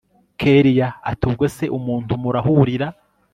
kellia ati ubwo se umuntu murahurira